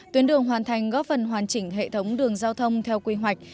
tuyến đường hoàn thành góp phần hoàn chỉnh hệ thống đường giao thông theo quy hoạch